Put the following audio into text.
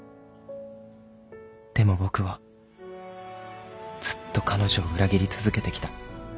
でも僕はずっと彼女を裏切り続けてきた